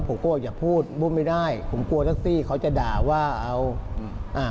ผมกลัวอย่าพูดพูดไม่ได้ผมกลัวแท็กซี่เขาจะด่าว่าเอาอืมอ่า